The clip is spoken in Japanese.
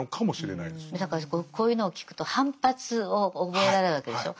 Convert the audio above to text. だからこういうのを聞くと反発を覚えられるわけでしょう。